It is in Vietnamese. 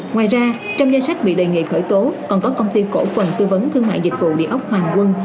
ngoài ra trong danh sách bị đề nghị khởi tố còn có công ty cổ phần tư vấn thương mại dịch vụ địa ốc hoàng quân